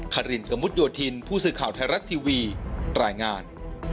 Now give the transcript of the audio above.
คารินกระมุดโยธินผู้สื่อข่าวไทยรัฐทีวีรายงาน